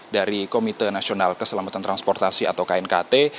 dari komite nasional keselamatan transportasi atau knkt